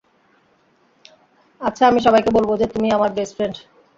আচ্ছা, আমি সবাইকে বলবো যে, তুমিই আমার বেস্ট ফ্রেন্ড।